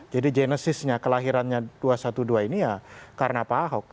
jadi genesisnya kelahirannya dua ratus dua belas ini ya karena pak ahok